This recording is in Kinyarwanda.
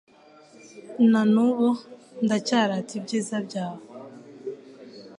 na n’ubu ndacyarata ibyiza byawe